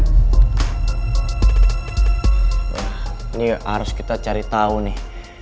wah ini harus kita cari tau nih